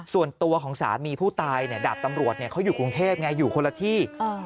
ส่วนตัวของสามีผู้ตายเนี่ยดาบตำรวจเขาอยู่กรุงเทพไงอยู่คนละที่